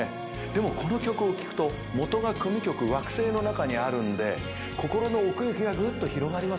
でもこの曲を聴くと元が組曲『惑星』の中にあるんで心の奥行きがぐっと広がりませんかね。